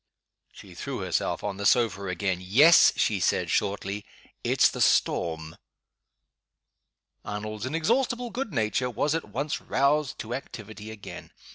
She threw herself on the sofa again. "Yes," she said, shortly. "It's the storm." Arnold's inexhaustible good nature was at once roused to activity again.